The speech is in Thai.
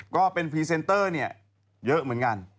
ก็เป็นพรีเซนเตอร์เนี่ยเยอะเหมือนกัน